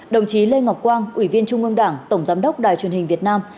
đồng chí lê ngọc quang ủy viên trung ương đảng tổng giám đốc đài truyền hình việt nam